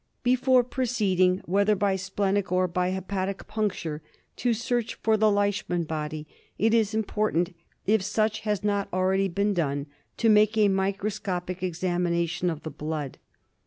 Before proceeding, whether by splenic or by hepatic puncture, to search for the Leishman body it is important, if such has not already been done, to make a microscopic examination of the blood.